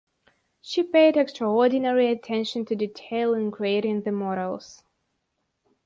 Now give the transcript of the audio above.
She paid extraordinary attention to detail in creating the models.